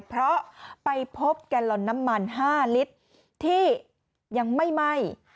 เพราะไปพบแกลลอนน้ำมัน๕ลิตรที่ยังไม่ไหม้